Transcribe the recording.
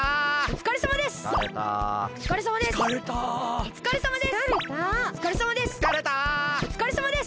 おつかれさまです！